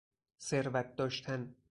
ثروت داشتن